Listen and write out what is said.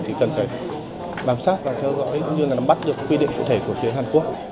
thì cần phải làm sát và theo dõi cũng như là nắm bắt được quy định cụ thể của phía hàn quốc